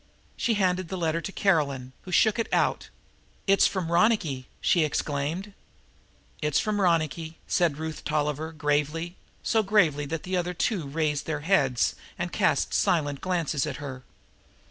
She handed the letter to Caroline, who shook it out. "It's from Ronicky," she exclaimed. "It's from Ronicky," said Ruth Tolliver gravely, so gravely that the other two raised their heads and cast silent glances at her.